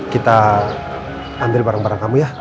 kita ambil barang barang kami ya